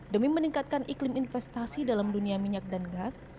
demi meningkatkan iklim investasi dalam dunia minyak dan gas